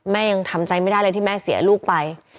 ยังทำใจไม่ได้เลยที่แม่เสียลูกไป